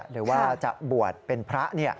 หรือว่าจะบวชเป็นพระ